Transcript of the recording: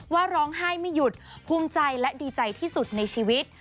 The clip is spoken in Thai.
ว่าร้องไห้ไม่หยุดภูมิใจและดีใจที่สุดในชีวิต